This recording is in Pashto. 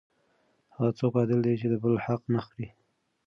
هغه څوک عادل دی چې د بل حق نه خوري.